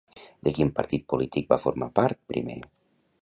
De quin partit polític va formar part primer?